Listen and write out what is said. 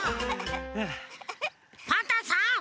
パンタンさん